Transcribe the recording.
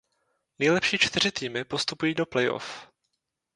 Nejlepší čtyři týmy postupují do play off.